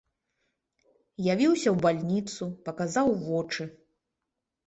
Явіўся ў бальніцу, паказаў вочы.